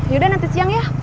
yaudah nanti siang ya